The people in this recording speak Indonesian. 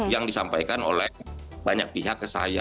yang disampaikan oleh banyak pihak ke saya